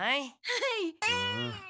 はい。